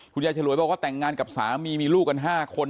คุณยายฉลวยบอกว่าแต่งงานกับสามีมีลูกกันห้าคน